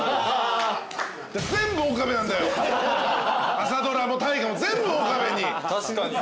朝ドラも大河も全部岡部に！